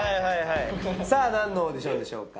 さぁなんのオーディションでしょうか。